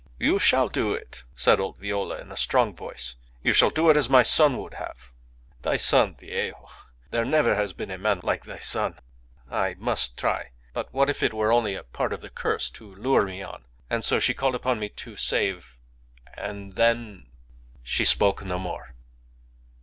"You shall do it," said old Viola in a strong voice. "You shall do it as my son would have. ..." "Thy son, viejo! .... There never has been a man like thy son. Ha, I must try. ... But what if it were only a part of the curse to lure me on? ... And so she called upon me to save and then ?" "She spoke no more."